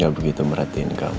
gak begitu merhatiin kamu